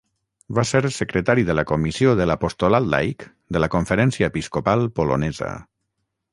Va ser secretari de la comissió de l'apostolat laic de la Conferència Episcopal Polonesa.